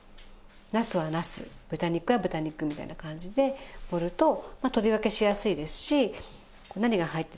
なすはなす豚肉は豚肉みたいな感じで盛ると取り分けしやすいですし何が入ってるかねわかるので。